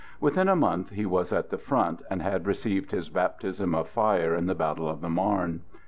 Within a month, he was at the front, and had received his baptism of fire in the Battle of the Marne.